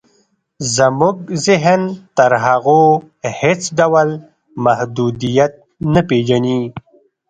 زموږ ذهن تر هغو هېڅ ډول محدودیت نه پېژني